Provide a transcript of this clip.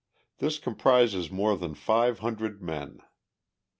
This comprises more than five hundred men.